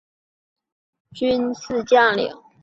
中华民国军事将领。